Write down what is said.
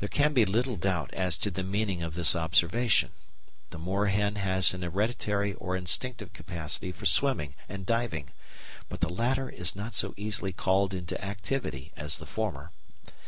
There can be little doubt as to the meaning of this observation. The moorhen has an hereditary or instinctive capacity for swimming and diving, but the latter is not so easily called into activity as the former.